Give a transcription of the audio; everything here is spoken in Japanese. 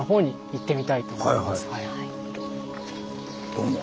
どうも。